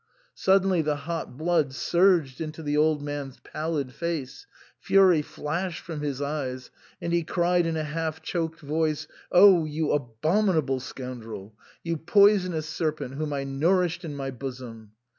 Suddenly the hot blood surged into the old man's pallid face, fury flashed from his eyes, and he cried in a half choked voice, " Oh ! you abominable scoundrel ! You poisonous serpent whom I nourished in my bosom